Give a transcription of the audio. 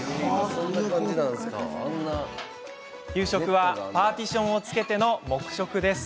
給食はパーティションをつけての黙食です。